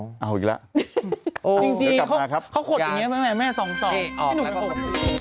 อุ๊ยเอาอีกแล้วจริงเขาขดอย่างนี้ไหมแม่สองสองไม่นุ่มหรอก